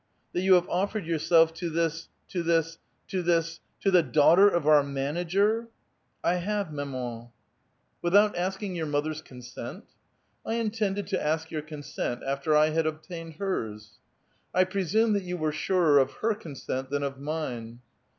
*' "That vou have offered yourself to this — to this — to this — to the daughter of our manager !*' I have, mamanJ 46 A VITAL QUESTION. " Without asking voiir mother's consent?" " I intiMided to ask vour consent after I had obtained hers." " I i)rcsumo that you were surer of her consent than of mine